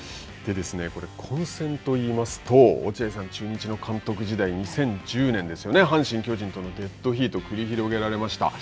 混戦といいますと、落合さん、中日の監督時代、２０１０年ですよね、阪神、巨人とのデッドヒートを繰り広げられました。